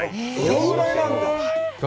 そのぐらいなんだ！